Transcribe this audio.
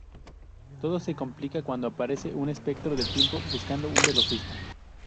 Todo se complica cuando aparece un espectro del tiempo buscando un velocista